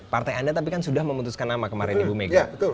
partai anda sudah memutuskan nama kemarin ibu megah